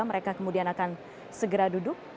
mereka kemudian akan segera duduk